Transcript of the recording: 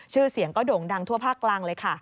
ชื่อเสียงก็โด่งดังทั่วภาคกลางเลยค่ะ